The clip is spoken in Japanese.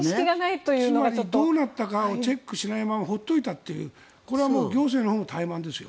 つまりどうなったかをチェックしないまま放っておいたというこれは行政のほうの怠慢ですよ。